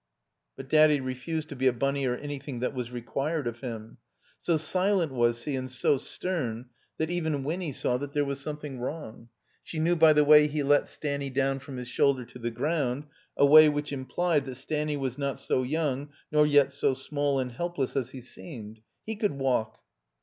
But Daddy refused to be a bunny or an3rthing that was required of him. So silent was he and so stem that even Winny saw that there was something wrong. She knew by the way he let Stanny down from his shoulder to the ground, a way which im plied that Stanny was not so yotmg nor yet so small and helpless as he seemed. He could walk.